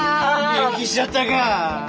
元気しちょったか？